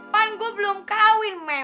pan gue belum kawin meh